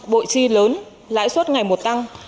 bội chi lớn lãi suất ngày một tăng